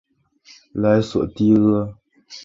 莱索蒂厄。